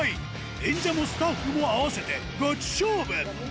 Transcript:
演者もスタッフも合わせてガチ勝負。